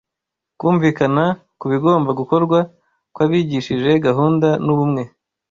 Kumvikana ku bigomba gukorwa kwabigishije gahunda n’ubumwe,